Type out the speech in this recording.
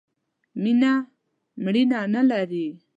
مینه مړینه نه لرئ